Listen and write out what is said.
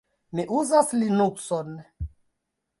Mi uzas Linukson.